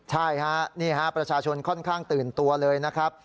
ใช่ฮะนี่ฮะประชาชนค่อนข้างตื่นตัวเลยนะครับ